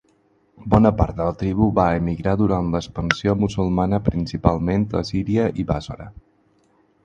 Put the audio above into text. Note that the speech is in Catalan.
Bona part de la tribu va emigrar durant l'expansió musulmana principalment a Síria i Bàssora.